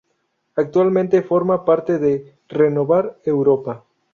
Actualmente forma parte de Renovar Europa.